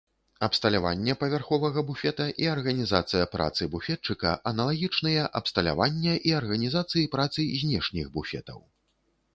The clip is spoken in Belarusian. Абсталяванне павярховага буфета і арганізацыя працы буфетчыка аналагічныя абсталявання і арганізацыі працы знешніх буфетаў.